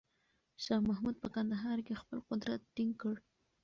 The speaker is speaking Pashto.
شاه محمود په کندهار کې خپل قدرت ټینګ کړ.